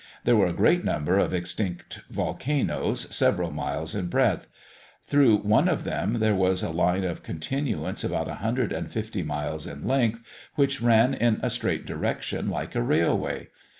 There were a great number of extinct volcanoes, several miles in breadth; through one of them there was a line of continuance about 150 miles in length, which ran in a straight direction, like a railway.